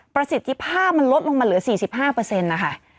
ประสิทธิภาพมันลดลงมาเหลือ๔๕นะคะ